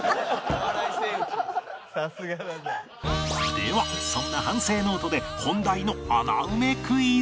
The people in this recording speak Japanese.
ではそんな反省ノートで本題の穴埋めクイズ